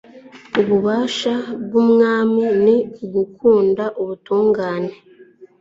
ububasha bw'umwami ni ugukunda ubutungane